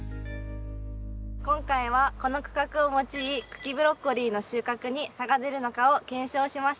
今回はこの区画を用い茎ブロッコリーの収穫に差が出るのかを検証しました。